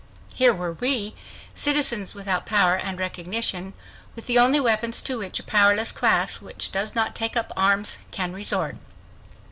Here were we, citizens without power and recognition, with the only weapons to which a powerless class which does not take up arms can resort.